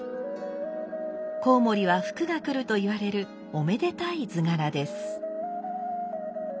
こうもりは福が来るといわれるおめでたい図柄です。